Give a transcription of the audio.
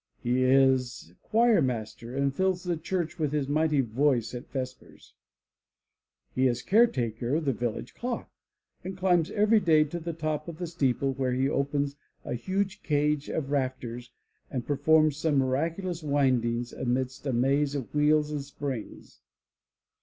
He is choir master and fills the church with his mighty voice at vespers. He is care taker of the village clock and climbs every day to the top of the steeple where he opens a huge cage of rafters and performs some miraculous windings amidst a maze of wheels and springs.